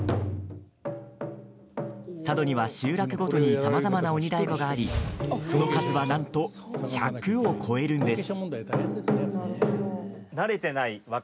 佐渡には集落ごとにさまざまな鬼太鼓がありその数は、なんと１００を超えるんです。